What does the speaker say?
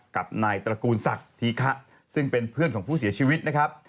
กับนายตระกูลศักดิ์ธีคะซึ่งเป็นเพื่อนของผู้เสียชีวิตนะครับ